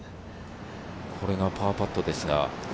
これがパーパットです。